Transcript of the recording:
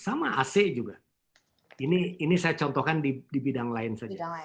sama ac juga ini saya contohkan di bidang lain saja